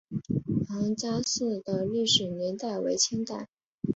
彭家祠的历史年代为清代。